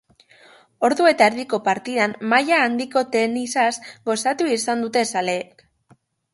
Ordu eta erdiko partidan maila handiko tenisaz gozatu izan dute zaleek.